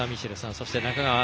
そして、中川安